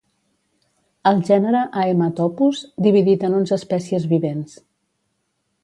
El gènere Haematopus, dividit en onze espècies vivents.